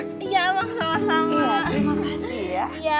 ti ti madi ya